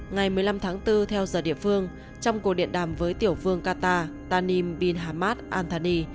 ngày một mươi năm tháng bốn theo giờ địa phương trong cuộc điện đàm với tiểu vương qatar tanim bin hamad anthony